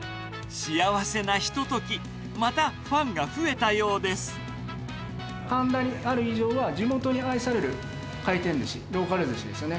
幸せなひと時、またファンが神田にある以上は、地元に愛される回転ずし、ローカルずしですよね。